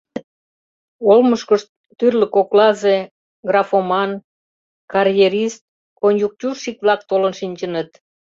Олмышкышт тӱрлӧ коклазе, графоман, карьерист, конъюнктурщик-влак толын шинчыныт.